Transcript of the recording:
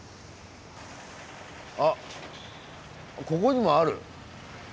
あここにもある！